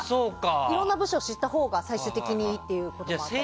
いろんな部署を知ったほうが最終的にいいっていうこともありまして。